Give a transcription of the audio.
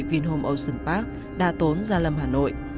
vinhome ocean park đa tốn gia lâm hà nội